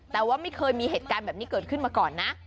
แต่ว่าไม่เคยมีเหตุการณ์แบบนี้เกิดขึ้นมาก่อนนะ